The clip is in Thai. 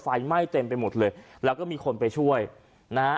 ไฟไหม้เต็มไปหมดเลยแล้วก็มีคนไปช่วยนะฮะ